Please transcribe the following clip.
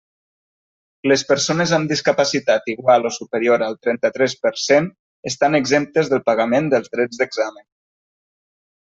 Les persones amb discapacitat igual o superior al trenta-tres per cent, estan exemptes del pagament dels drets d'examen.